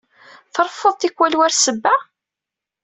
Treffuḍ tikkwal war ssebba?